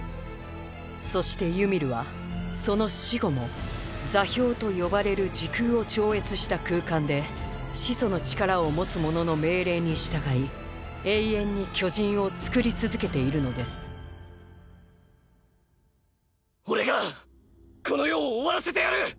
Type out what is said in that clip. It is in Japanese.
そしてユミルはその死後も「座標」と呼ばれる時空を超越した空間で始祖の力を持つ者の命令に従い永遠に巨人を作り続けているのですオレがこの世を終わらせてやる！！